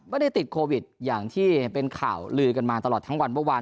ไม่ได้ติดโควิดอย่างที่เป็นข่าวลือกันมาตลอดทั้งวันเมื่อวาน